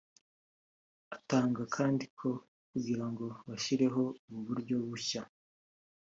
Atangaza kandi ko kugira ngo bashyireho ubu buryo bushya